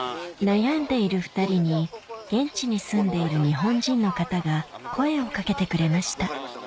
悩んでいる２人に現地に住んでいる日本人の方が声を掛けてくれました